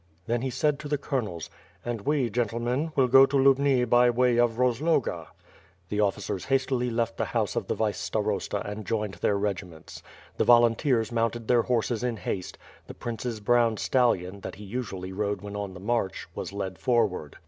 Then he said to the colonels, "And we gentlemen will go to Lubni by way of Rozloga." The officers hastily left the house of the vice starosta and. joined their regiments. The volunteers mounted their horses in haste; the prince's brown stallion, that he usually rode when on the march, was led forward.